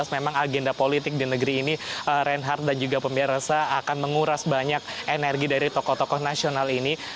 memang agenda politik di negeri ini reinhardt dan juga pemirsa akan menguras banyak energi dari tokoh tokoh nasional ini